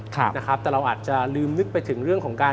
แต่เราอาจจะลืมนึกไปถึงเรื่องของการ